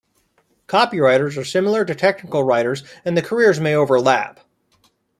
Copywriters are similar to technical writers and the careers may overlap.